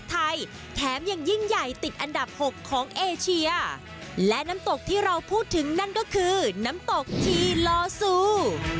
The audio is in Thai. แถมยังยิ่งใหญ่ติดอันดับหกของเอเชียและน้ำตกที่เราพูดถึงนั่นก็คือน้ำตกทีลอซู